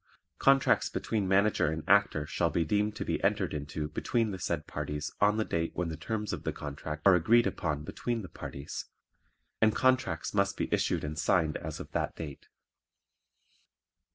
Contracts between Manager and Actor shall be deemed to be entered into between the said parties on the date when the terms of the contract are agreed upon between the parties, and contracts must be issued and signed as of that date.